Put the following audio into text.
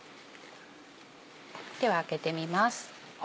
では開けてみます。